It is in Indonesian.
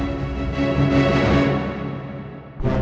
aku sudah berpikir